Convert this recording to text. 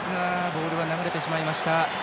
ボールは流れてしまいました。